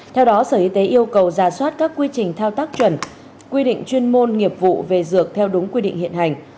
theo đó sở y tế yêu cầu giả soát các quy trình thao tác chuẩn quy định chuyên môn nghiệp vụ về dược theo đúng quy định hiện hành